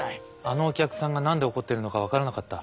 あのお客さんが何で怒ってるのか分からなかった？